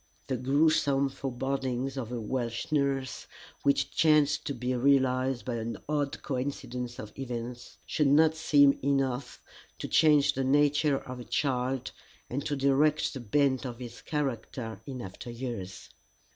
The gruesome forebodings of a Welsh nurse, which chanced to be realized by an odd coincidence of events, should not seem enough to change the nature of a child and to direct the bent of his character in after years.